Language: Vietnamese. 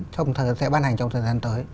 trong thời gian tới